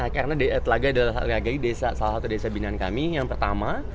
karena telaga adalah salah satu desa binaan kami yang pertama